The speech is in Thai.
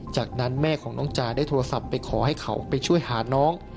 จากนั้นแม่ของน้องจาได้โทรศัพท์ไปขอให้เขาไปช่วยหาน้อง